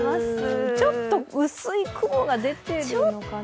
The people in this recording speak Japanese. ちょっと薄い雲が出てるのかな。